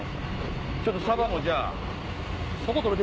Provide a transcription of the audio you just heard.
ちょっとサバもじゃあ。